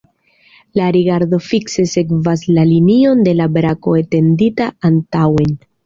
La rigardo fikse sekvas la linion de la brako etendita antaŭen.